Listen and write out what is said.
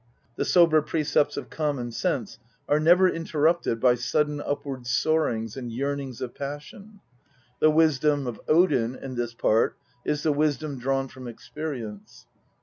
The sober precepts of common sense are never interrupted by sudden upward soarings and yearnings of passion. The wisdom of Odin, in this Part, is the wisdom drawn from experience.